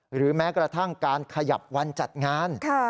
หรือแม้กระทั่งการขยับวันจัดงาน